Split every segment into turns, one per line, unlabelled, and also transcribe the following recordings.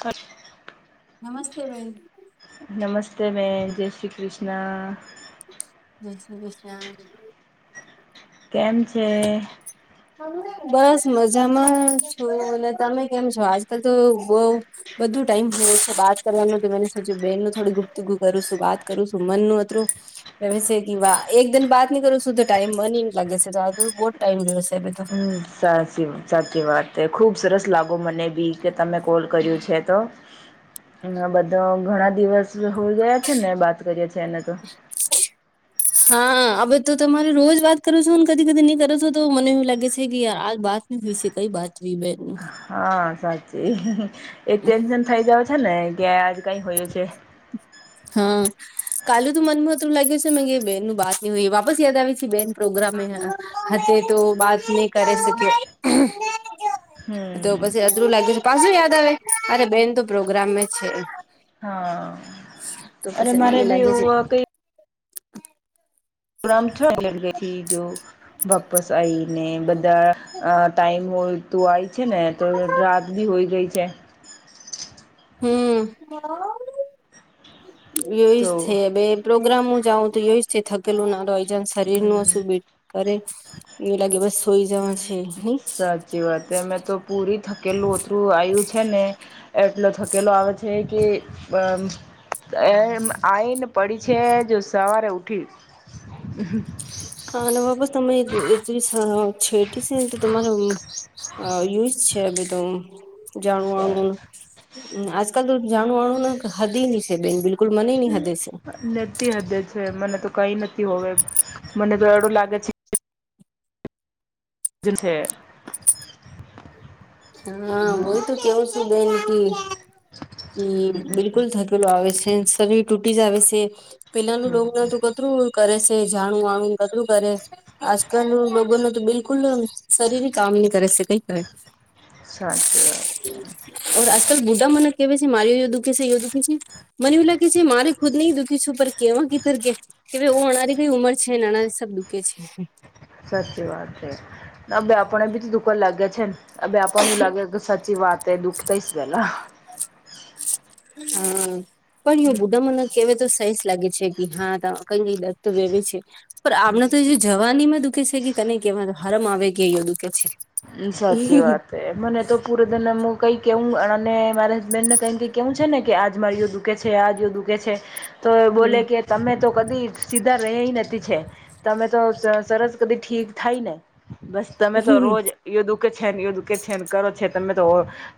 હર.
નમસ્તે બેન.
નમસ્તે બેન જય શ્રી કૃષ્ણ.
જય શ્રી ક્રિષ્ના.
કેમ છે?
બસ મજામાં છું અને તમે કેમ છો આજકલ તો બઉ બધું ટાઈમ થયો છે બાત કરવાનું તો મને સોચીયો બેનું થોડું ગુપતગું કરું છું વાત કરું છું મનનું અતરું. ને વેસી ગી વા એકદન બાત ન કરું શું તો ટાઈમ મન ની લાગે છે. હજુ બોટ ટાઇમ રેહવે છે અભી તો.
હમ સાચી સાચી વાત ખૂબ સરસ લાગો મને બી કે તમે કોલ કર્યું છે તો. બધા ઘણા દિવસ હોય ગયા છે ને બાત કરીએ છે એને તો.
[inaudible] હા હવે તો તમારે રોજ વાત કરો છો કદી-કદી ની કરૂ સુ તો મને એવું લાગે છે કેય આજ બાત ની વિશે કઈ બાત વીવે.
હા સાચી એક ટેન્શન થઈ જાવે છે ને કે આજ કઈ હોયો છે.
હા. કાલું તો મનમહતત્રું લાગ્યું છે મ બ બેનનું બાહતની હોઈ વાપસ યાદવેછી બેન પ્રોગ્રામમે હા હા તે તો વાત નહી કરે શકે. તો
હમ
પછી અતરો લાગ્યું છે પાછું યાદ આવે અરે બેન તો પ્રોગ્રામ છે.
હા
તો
અરે
પછી
મારે
મને
બી
લાગે છે
એવું કઈ રામછોડ ગઈ થી જો વાપસ આઈને બધા અ ટાઈમ હોય તુ આવી છે ને તો રાત બી હોઈ ગઈ છે.
હમ એય
તો
જ છે બે પ્રોગ્રામ હું જાઉં તો ય જ થકેલું નાજ શરીર નો
હમ
શું. કરે એવું લાગે બસ સોઈ જવાશે.
સાચી વાત મેં તો પૂરી થકેલું ઓતરું આવ્યું છે ને. એટલો થકેલો આવે છે કે આ. એ આવીઈને પડી છે જો સવારે ઉઠ્યો.
હા અને બાપસ તમે છેટી છે ને તો તમારે અ યુજ છે બીધું જાણું વાણું. આજકાલ તો જાણું આળું ને હદી નની છે બેન બિલકુલ મનેહીઈ હદે છે.
લતી હદે છે મને તો કઈ નથી હોવે મને તો એડું લાગે છે. જે છે.
હા
હમ
વોય તો કેવું શું બેન કે બિલકુલ થકી પેલુ આવે છે શરીર તૂટી જ આવે છે પેલાનું લોગ ના તો કતરું. કરે છે જાણું વાણું કેટલું કરે છે. આજકાલ લોકો ન તો બિલકુલ શરીર કામ નહિ કરે શકે.
સાચી વાત છે.
ઓ આજકાલ બુ મને કે છે મારી યોય દુખી છે યોું દુખી છે. મને્યું લાગે છે મારે ખુદ નહી દુઃખી છું પર કેવા કધર કે કે ભ ઓ અનાથી કઈ ઉંમર છે નાનાથી સબ દુઃખે છે.
સાચી વાત છે બેપણને બી દુઃખ જ લાગે છે ને આ બેપણને એવું લાગે કે સાચે ચી વાતે દુઃખ તઈવેલા.
હા પણ એ બુઢ મને કેવાય તો સઈ લાગે છે કે હા કઈ ક દત તો બેબી છે પણ આમ તો વાની માં દુખે છે કે કને કહેવા હરમ આવે કે અયો દુખે છે.
સાચી વાત મને તો પૂરે ધન મુ કંઈક કેહવું અણને મારા હસબેન્ડને કંઈ કઈ કેવું છે ને કે આજ મારી દુઃખ છે આ જો દુખે છે તો
હમ
બોલે કે તમે તો કદી સીધા રઈ નથી છે તમે તો સરસ કદી ઠીક થાય ને બસ તમે તો રોજ એયો દુખે છે ને એ દુખે છે ને કરો છે તમે તો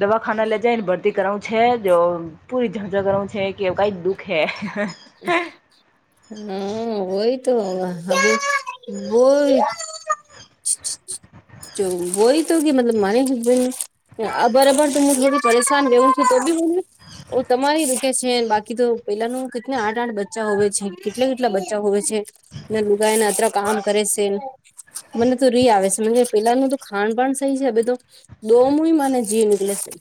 દવા ખાને લે જાય ભરતી કરું છે જો પૂરી જાઝજર કરું છે કે કઈ દુખ હે
[unintelligible] હમ વય તો હવે [unintelligible] જો વોય મતલબ માને [unintelligible] અબાર અબાર તો મુ ઘળી પરેશાન રહે છુ તો બી હ ઓ તમારી દુખે છે બાકી તો પેલાનું કિટના આઠ આઠ બચ્ચા હોય છે કેટલા કેટલા બચ્ચા હોવે છે. ને લુગાયને અત્રા કામ કરે છે. મને તો રી આવે છે મ પેલાનું તો ખાણ પણ સહી છે અવે તો દો મું મને જી નિકલે છે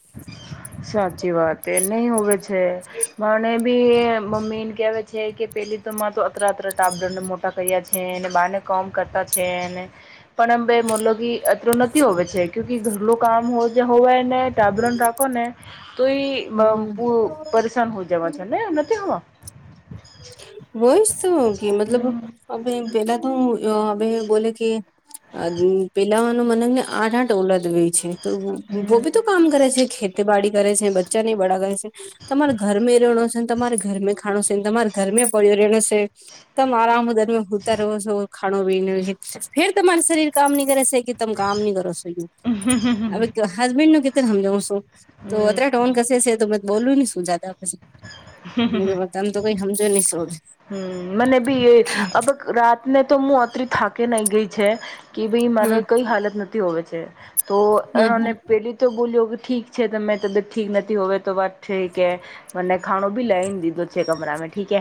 સાચી વાત એ નહીં હોવે છે મારે બી મમ્મી કે વે છે કે પેલી તો મા તો અત્રા અત્રા ટાવરા ને મોટા કયા છે અનેને બાને બી કોમ કરતા છેને પણ આમ ભાઈ મોલોગી અતરો નથી હોવે છે ક્યુ કે ઘરલું કામ હોવાય ને તાબરન રાખો ને તોઇ બ
હમ
પરેશાન હોય જવા છે ને નથી હોવા
વોયશ તો કે મતલબ
હમ
અવે પેલા તો અભે બોલે કે આ વ પેલાવાનું મનખ આઠ આઠ ઓલદ વેય છે. તો
હમ
વોબી તો કામ કરે છે ખેત ખેતી વાડી કરે છે બચ્ચા ને બડા કરે છે તમારે ઘર મે રહેણો છે તમારે ઘરમે ખાણો છે તમારે ઘરમે પડ્યો રહેણોશે તમે આરામદરમાં હુતા રહો - ખાણો પીનો રે ફિર તમારો શરીર કામ નહી કરે છે કે તમ કામ નહી કરો સો યુ હવે હસબેન્ડ નું કિતર હમજાવ છું તો અત્રે
હમ
ટોન કશે છે તો બોલ્યું નીને શું જાદા પશી તમ તો કોઈ સમજો નહી શો
હમ મને બી એ અબ રાતને તો હું અતરી થાકી નાઈ ગઈ છે. કે ભાઈ મારે
હમ
કંઈ હાલત નથી હોવે છે તો
હમ
અણને
હમ
પેલી તો બોલ્યો કે ઠીક છે તને તબિયત ઠીક નથી હોવે તો વાત ઠીક હ મને ખાણો બી લાઇન દિધો છે કમરામાં ઠીક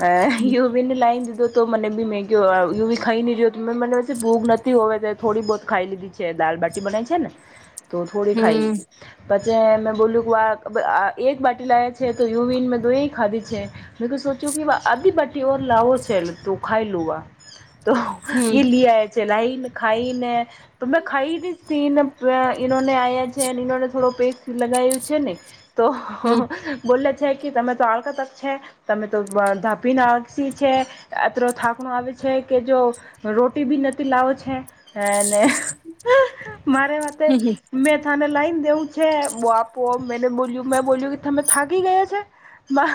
હે અ યો ને લાઇને દીધો તો મને બી મેગ્યો યોવી ખાઈ ની રહ્યો તોમેં મને ભૂગ નથી હોય તો થોડી બહુ ખાઈ લીધી છે જે દાલબાટી બનાઇ છે ને
[inaudible]
તો થોડી ખાઈ
હમ
લીધી પછે મેં બોલ્યું કે આ એક બાટી લાયા છે તો યુવન મેં દોઇન ખાધી છે મે તો કોઈ સોચ્યું કે વા આધી બાટી ઓર લાવો છે તો ખાઈ લુંવા તો
હમ
એ લિયા ચલાઇન ખાઈને તો મેં ખાઈ પીન ઈનો ને આયા છેને ઈનોને થોડો વિક્સ લગાવું છે ને તો
હમ
બોલે છે કે તમે તો આળકા તક છે તમે તો ધાપ- પીન આળસી છે અત્રો થાકણો આવે છે કે જો રોટી ભી નથી લાવો છે. હે ને મારે માટેથે
હમ
મેં થાને લઇને દેવું છે બાપ પોમ મેને બોલ્યું મે બોલ્યું કે તમે થાકી ગયા છે મા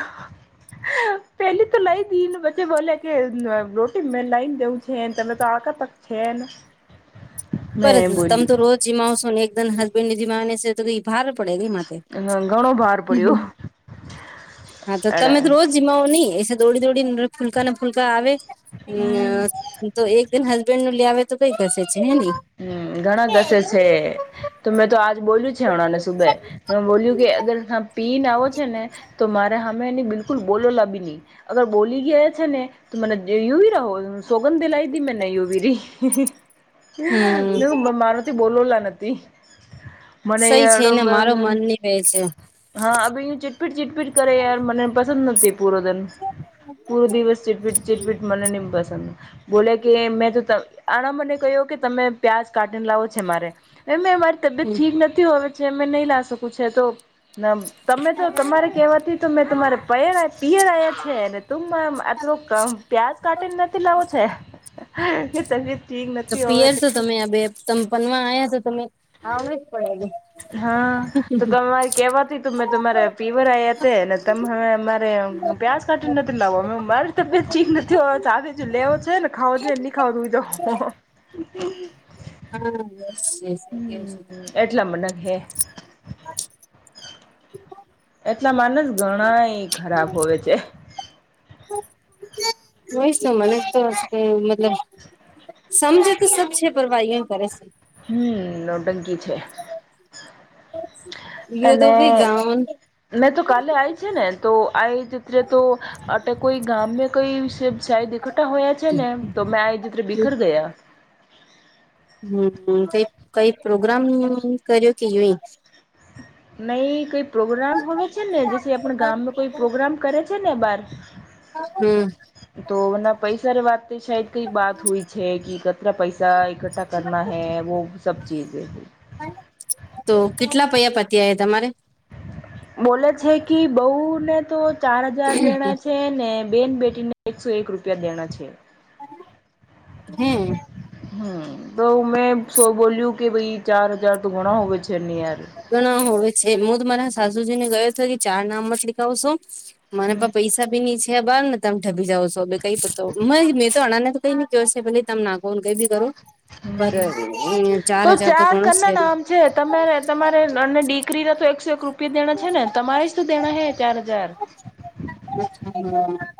પેલી લઈ દઈને વચ્ચે બોલે કે રોટી મે લઈને દેવું છે ને તમે તો આળકા તક છે ને
ઊભા રેજો
મેં
તમે તો રોજ જીમ આવશો ને એકદમ હસબેન્ડ જીમાને છે તો કઇ ભારે પડે કઇ માતે,
બોલ્યું ઘણો ભાર
હ
પડ્યો
હ, હા તો તમે
એડા
રોજ જીમાવ નહી એ દોડી દોડી ફૂલકા ને ફૂલકા આવે
હમ
મ તો એક હસબેન્ડ નું લે આવે તો કઈ કસે છે હે ને
હમ્મ ઘણા દસે છે તો મેં તો આજ બોલ્યું છે આમણે સુબે બોલ્યું કે અગર પીને આવો છે ને તો મારે અ હમે એની બિલકુલ બોલોલા બી નહીં અગર બોલી ગયા છે ને ત મને દૂરી રાહો સોગન દે લઈ દી મેને યુવી રહી મે
હમ
કહ્યું કે મારાથી બોલોલા નથી મને
સહી છે
એડો
ને મારો મન ની વે છે
હા અ બઉ ચિટપિટ ચિટપિટ કર યાર મને પસંદ નથી કે પૂરો દીન પૂરો દિવસ ચિટપીટ ચિટપીટ મને નહી પસંદ બોલે કે મેં તો આના મને કહ્યો કે તમે પ્યાજ કાઢીને લાવો છે એમે મારે તબિયત
હમ
ઠીક નથી હોવે છે મેં નહીં લા શકું છે તો તમે તો તમારે કેવાથી તો મેં તમારે પયર પિયર આયા છે કેમ આતરો કમ પ્યાજ કાટી ને નથી લાવો છે કે તબિત ઠીક
તો
નથી હોવે
પિયર તો તમે આ બે તમ પનવા આવ્યા તો તમે આવ જ પડે
હા તો તમારે કેવાતી તું મેં તમારે પીયર આયા તા ને તમે હમે અમારે પ્યાજ કાટી ને નથી લાવો, અ મ મારી તબિયત ઠીક નથી ઓર લેવો છે ને ખાવો લે ની ખાવ [unintelligible] [unintelligible]
હા બસ એજ
હમ્મ એટલા મને હે.
હા
એટલા માનસ ઘણા એ ખરાબ હોવે છે
હોય છે મને જ તો મતલબ [unintelligible] સમજે તો સબ છે પરવા એમ કરે છે
હમ્મ નોટંકી છે
[inaudible]
અને મેં તો કાલે આઈ છે ને તો આવી જ રીતે તો કોઈ ગામને કોઈ કઈ સબ શાયદ ઇક્કથા હોયા છે ને તો મેં આ એ જીતરે બીખર ગયા
હમ્મ કઈ કઈ પ્રોગ્રામ ની કર્યો કેય યુહી?
નઈ કઈ પ્રોગ્રામ હોવે છે ને, જેસે આપડા ગામમાં કોઈ પ્રોગ્રામ કરે છે ને બાર.
હમ્મ.
તો ઇના પૈસારી વાત શાયદ કઈ બાત હુય છે કે કતરા પૈસા ઇકઠ્ઠા કરના હૈ, વો સબ ચીજે
તો કેટલા પૈયા પતિયા હે તમારે?
બોલે છે કે બઉ ને તો ચાર હજાર દેણા છે છે ને બેન બેટી ને એકસો એક રૂપિયા દેણા છે.
હમ્મ
હમ્મ તો મેં શો બોલ્યું કે ભાઈ, ચાર હજાર તો ઘણા હોવે છે ની યાર.
ગણા હોય છે, મૂદ તો તમારા સાસુજી ને ગયો તો કે ચાર નામ મત લીખાવશો મને
હમ
પા પૈસા ભી ની છે અબાર ને તમે ઠભી જાવ છો, અબે કઈ પત્તો, મેં તો અણા ને તો કઈને ક્યો છે, ભલે તમે નાખો ને કઈ બી કરો પર [unintelligible]
તો ચાર કના નામ છે, તમારે તમારે નને દીકરી ના તો એકસો એક રૂપિયા દેણા છે ને, તમારે જ તો દેણા છે ચાર હજાર.
[unintelligible]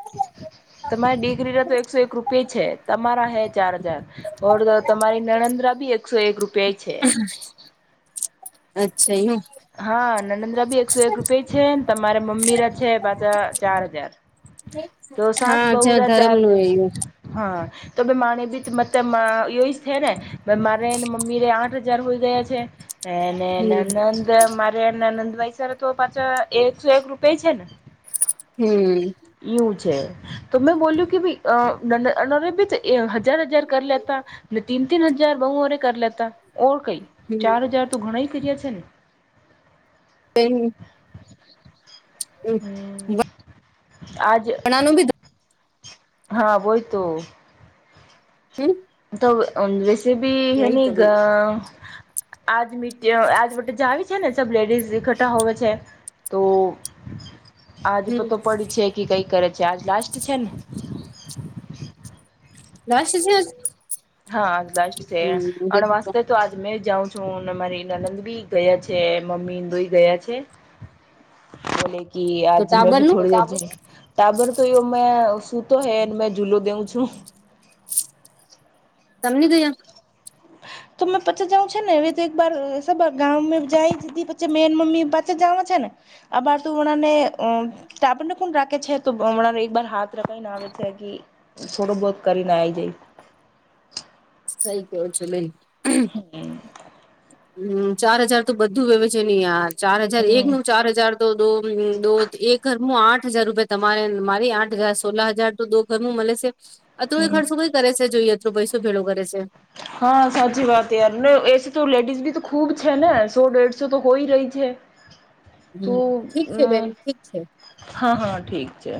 તમારે દીકરી રે તો એકસો એક રૂપિયા ઈ છે, તમારા હે ચાર હજાર. ઓર તો તમારી નણદરા બી એકસો એક રૂપિયા ઈ છે.
[inaudible] અચ્છા યુ.
હા નણંદરા બી એકસો એક રૂપિયા છે ને, તમારા મમ્મી રા છે પાછા ચાર હજાર. તો સાસ
હા જ્યાં
બહુરા
ધરમ
ચાર
નું
હજાર હા તો બી માને બીત બતેમાં એજ છે ને મારે ને મમ્મીરે આઠ હજાર હોય ગયા છે. એને
એવું
નનંદ મારે નનંદ ભાઈ સર તો પાછા એકસો એક રૂપિયા ઈ છે ને.
હમ્મ
એવું છે, તો મેં બોલ્યું કે ભાઈ કે અ નણંદ બી હજાર હજાર કર લેતા, ને તીન તીન હજાર બહુઓરે કર લેતા, ઓર કઈ ચાર
હમ
હજાર તો ઘણાય કર્યા છે ને
તેન
હમ્મ આજ
નાનું બી
હા વોહી તો
હમ્મ
તો અ રેસીપી હેનીગ
બધું
આજ મીટીયો આજ વતે જાવી છે ને સબ લેડીઝ એકઠા હોવે છે, તો આજ
હમ
તોતો પડી છે. કી કઈ કરે છે, આજ લાસ્ટ છે ને.
લાસ્ટ છે આજ?
હા આજ લાસ્ટ છે, અણ વાસતે તો આજ મેં જાઉં છું, ને મારી નનંદ બી ગયા છે, મમ્મી ને દોઈ ગયા છે. બોલે કે
તો
આજ મેં
ટાબર
ભી
નું
થોડ [unintelligible] ટાબર તો એવ મેં સૂતો હૈ મે જૂલો દેઉ છું.
તમની ધયા
તો મે પછી જઉં છે ને, એવી તો એકબાર ગામમે જાયી છી પછી મેન મમ્મી જામ છે ને, આબાર તું વણોરે તા આપણને કોણ રાખે છે તો હમણાં એક વાર હાથ રખીને આવે છે કે થોડો બહુંત કરીને આઈ જઈ.
સહી કેવો છો બેન.
હા બેન.
હમ્મ ચાર હજાર તો બધું વેવે છે ની યાર ચાર હજાર એક
હમ
નો ચાર હજાર. તો દો અમ્મા દો એ ઘરમુ આઠ હજાર રૂપિયા તમારે મારી આઠ હજાર સોલા હજાર તો દો ઘરમું મળે છે અથવા એ
હમ
ખર્ચો કઈ કરે છે જોઈએ અથ પૈસો ભેડો કરે છે.
હા સાચી વાત યાર ને એસી તો લેડીઝ બી તો ખૂબ છે ને સો દેઢસો તો હોય રહી છે. તો
હમ્મ ઠીક છે બેન ઠીક છે.
હા હા ઠીક છે.